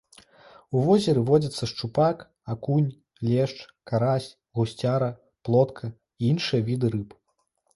У возеры водзяцца шчупак, акунь, лешч, карась, гусцяра, плотка і іншыя віды рыб.